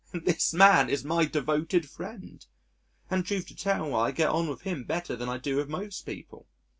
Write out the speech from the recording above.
This man is my devoted friend!... And truth to tell I get on with him better than I do with most people.